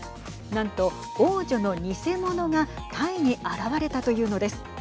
なんと、王女の偽物がタイに現れたというのです。